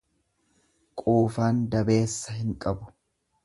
Quufaan dabeessa hin qabu.